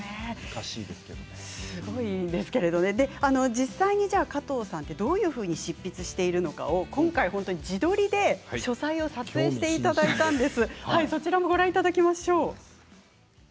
実際に加藤さんはどういうふうに執筆しているのか自撮りで書斎を撮影していただいたんです。